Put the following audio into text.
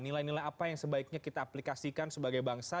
nilai nilai apa yang sebaiknya kita aplikasikan sebagai bangsa